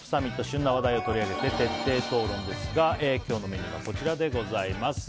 旬な話題を取り上げて徹底討論ですが今日のメニューはこちらです。